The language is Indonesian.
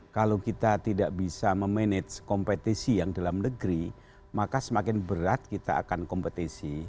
kalau kita tidak bisa memanage kompetisi yang dalam negeri maka semakin berat kita akan kompetisi